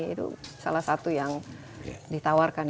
itu salah satu yang ditawarkan